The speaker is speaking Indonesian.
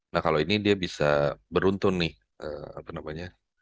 nah kalau ini dia bisa beruntun nih